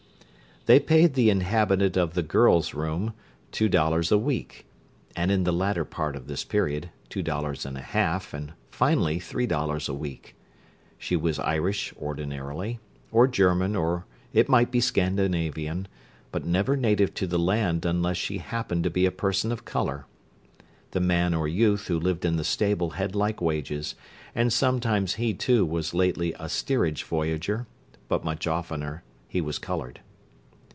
They paid the inhabitant of "the girl's room" two dollars a week, and, in the latter part of this period, two dollars and a half, and finally three dollars a week. She was Irish, ordinarily, or German or it might be Scandinavian, but never native to the land unless she happened to be a person of colour. The man or youth who lived in the stable had like wages, and sometimes he, too, was lately a steerage voyager, but much oftener he was coloured.